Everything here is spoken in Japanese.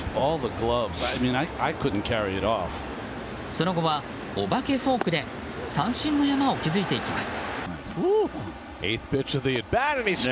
その後はお化けフォークで三振の山を築いていきます。